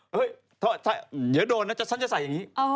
เฮ้ยเหยียดวนน่ะฉันจะใส่อย่างนี้